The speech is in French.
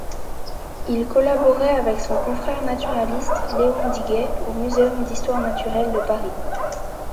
Il collaborait avec son confrère naturaliste Léon Diguet au muséum d'histoire naturelle de Paris.